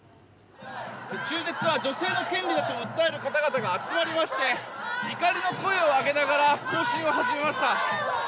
中絶は女性の権利だと訴える方々が集まりまして怒りの声を上げながら行進を始めました。